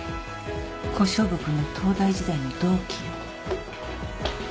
小勝負君の東大時代の同期よ。